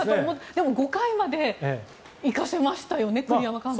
でも５回までいかせましたね栗山監督。